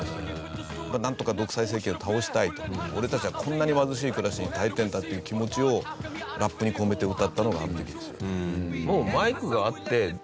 なんとか独裁政権を倒したいと俺たちはこんなに貧しい暮らしに耐えてるんだっていう気持ちをラップに込めて歌ったのがあの時ですよね。